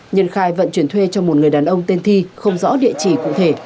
nhân khai vận chuyển thuê cho một người đàn ông tên thi không rõ địa chỉ cụ thể